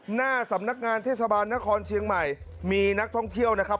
หน้าสำนักงานเทศบาลนครเชียงใหม่มีนักท่องเที่ยวนะครับ